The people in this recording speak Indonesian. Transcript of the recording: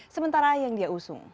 sementara yang dia usung